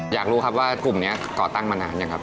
อยากรู้ครับว่ากลุ่มนี้ก่อตั้งมานานยังครับ